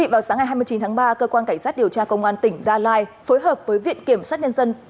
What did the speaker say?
vào sáng ngày hai mươi chín tháng ba cơ quan cảnh sát điều tra công an tỉnh gia lai phối hợp với viện kiểm sát nhân dân